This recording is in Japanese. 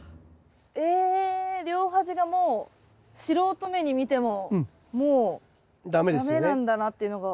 え両端がもう素人目に見てももう駄目なんだなっていうのが。